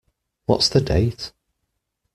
What's the date?